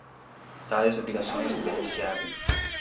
tais obrigações do beneficiário.